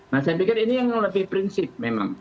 nah saya pikir ini yang lebih prinsip memang